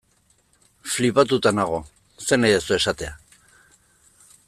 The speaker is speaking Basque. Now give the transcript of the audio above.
Flipatuta nago, zer nahi duzu esatea.